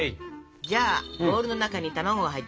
じゃあボウルの中に卵が入ってるのでね。